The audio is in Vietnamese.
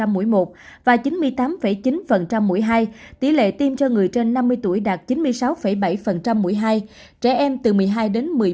tám mươi chín ba mũi một và chín mươi tám chín mũi hai tỷ lệ tiêm cho người trên năm mươi tuổi đạt chín mươi sáu bảy mũi hai trẻ em từ một mươi hai đến